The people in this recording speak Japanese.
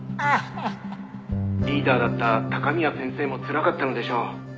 「リーダーだった高宮先生もつらかったのでしょう」